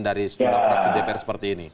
dari sejumlah fraksi dpr seperti ini